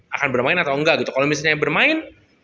akan bermain atau enggak gitu kalau misalnya bermain